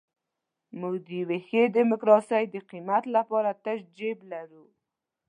موږ د یوې ښې ډیموکراسۍ د قیمت لپاره تش جیب لرو.